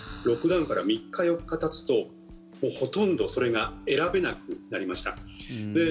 ロックダウンから３日、４日たつとほとんどそれが選べなくなりました。